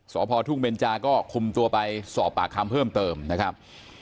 สพทุ่งเบนจาก็คุมตัวไปสอบปากคำเพิ่มเติมนะครับ